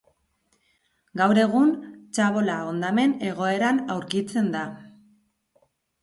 Gaur egun txabola hondamen egoeran aurkitzen da.